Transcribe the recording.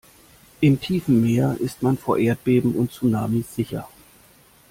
Im tiefen Meer ist man vor Erdbeben und Tsunamis sicher.